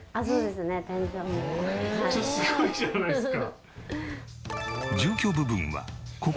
めっちゃすごいじゃないですか。